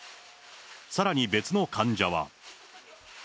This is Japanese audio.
さらに別の患者は。